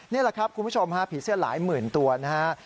นี่แหละครับคุณผู้ชมฮะผีเสื้อหลายหมื่นตัวนะฮะ